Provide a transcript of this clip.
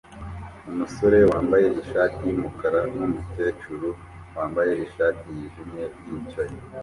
Umusore wambaye ishati yumukara numukecuru wambaye ishati yijimye yicaye